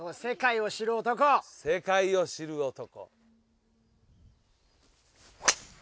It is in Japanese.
世界を知る男。